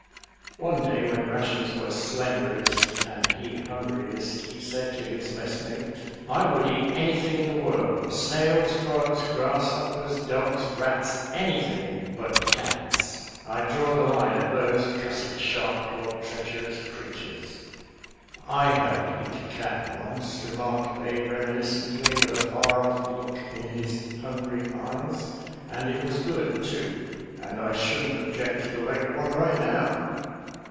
One day when rations were slenderest and he hungriest, he said to his mess mate, " I would eat anything in the world — snails, frogs, grasshoppers, dogs, rats; anything but cats. I draw the line at those cussed, sharp clawed, treacherous creatures." " I helped eat a cat once," remarked Babe reminiscently, with a far off look in his hungry eyes, " and it was good too ; and I shouldn't ob ject to the leg of one right now."